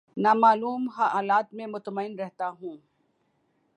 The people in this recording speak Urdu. نا معلوم حالات میں مطمئن رہتا ہوں